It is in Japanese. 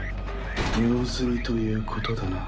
用済みということだな。